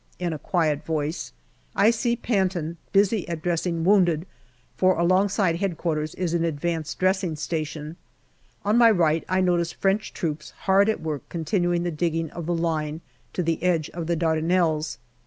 " in a quiet voice. I see Panton busy at dressing wounded, for alongside H.Q. is an advanced dressing station. On my right I notice French troops hard at work continuing the digging of the line to the edge of the Dardanelles.